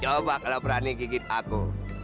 coba kalau berani gigit aku